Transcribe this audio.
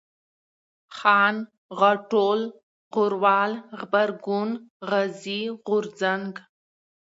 خان ، غاټول ، غروال ، غبرگون ، غازي ، غورځنگ